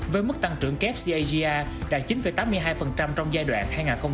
với mức tăng trưởng kép cagr đạt chín tám mươi hai trong giai đoạn hai nghìn hai mươi bốn hai nghìn hai mươi chín